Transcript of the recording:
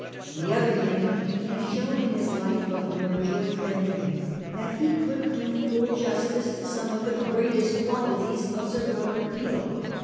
On the other hand, he has shown in his ' Life of Lord George Bentinck,' that he could do fall justice to some of the greatest qualities of Sir Robert Peel.